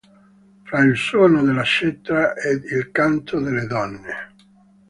Fra il suono della cetra ed il canto delle donne.